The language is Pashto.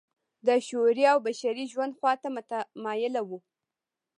د شعوري او بشري ژوند خوا ته متمایله وه.